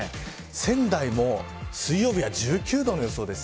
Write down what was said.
仙台も水曜日は１９度の予想です。